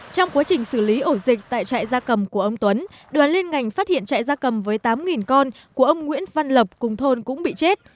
trong quá trình xử lý ổ dịch tại trại da cầm của ông tuấn đoàn liên ngành phát hiện trại da cầm với tám con của ông nguyễn văn lập cùng thôn cũng bị chết